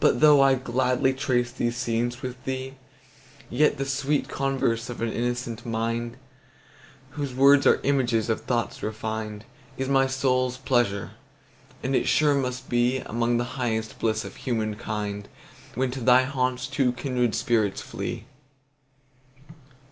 But though I'll gladly trace these scenes with thee, Yet the sweet converse of an innocent mind, Whose words are images of thoughts refin'd, Is my soul's pleasure; and it sure must beAlmost the highest bliss of human kind, When to thy haunts two kindred spirits flee.